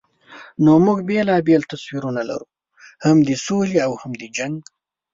نو موږ بېلابېل تصویرونه لرو، هم د سولې او هم د جنګ.